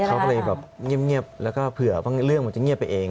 เขาก็เลยแบบเงียบแล้วก็เผื่อว่าเรื่องมันจะเงียบไปเอง